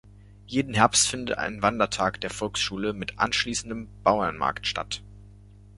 Jeden Herbst findet ein Wandertag der Volksschule mit anschließendem Bauernmarkt statt.